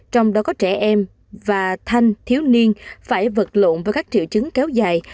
trong đó có trẻ em và thanh thiếu niên phải vật lộn với các triệu chứng kéo dài